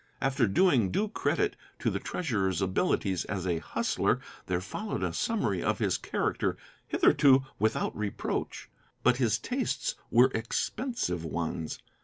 After doing due credit to the treasurer's abilities as a hustler there followed a summary of his character, hitherto without reproach; but his tastes were expensive ones.